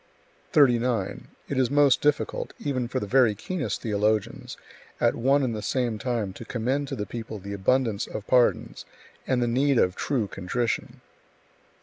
39. It is most difficult, even for the very keenest theologians, at one and the same time to commend to the people the abundance of pardons and [the need of] true contrition.